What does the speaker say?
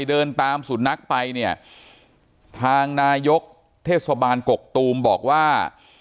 เดินตามสุนัขไปเนี่ยทางนายกเทศบาลกกตูมบอกว่า